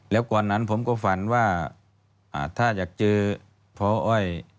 แล้วก่อนนั้นผมก็ฝันว่าถ้าอยากเจอพออ้อย